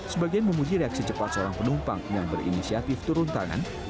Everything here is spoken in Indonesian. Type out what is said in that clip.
sebagian memuji reaksi cepat seorang penumpang yang berinisiatif turun tangan